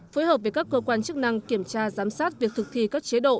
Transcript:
phối hợp với các cơ quan chức năng kiểm tra giám sát việc thực thi các chế độ